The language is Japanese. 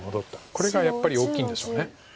これがやっぱり大きいんでしょう。